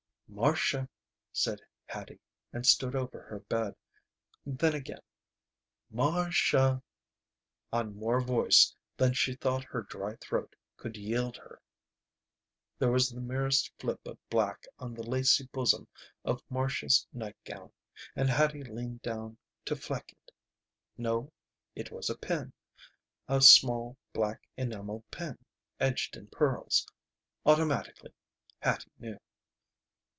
"Marcia," said Hattie, and stood over her bed. Then again, "Mar cia!" On more voice than she thought her dry throat could yield her. There was the merest flip of black on the lacy bosom of Marcia's nightgown, and Hattie leaned down to fleck it. No. It was a pin a small black enameled pin edged in pearls. Automatically Hattie knew.